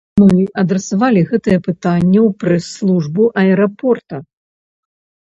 Мы адрасавалі гэтае пытанне ў прэс-службу аэрапорта.